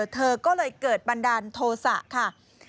เธอก็เลยเกิดบันดาลโทษะค่ะ